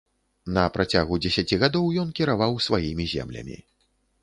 На працягу дзесяці гадоў ён кіраваў сваімі землямі.